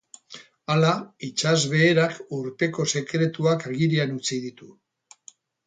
Hala, itsasbeherak urpeko sekretuak agerian utzi ditu.